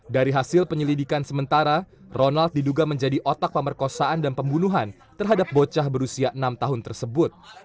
dari hasil penyelidikan sementara ronald diduga menjadi otak pemerkosaan dan pembunuhan terhadap bocah berusia enam tahun tersebut